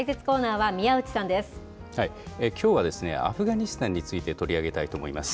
きょうは、アフガニスタンについて取り上げたいと思います。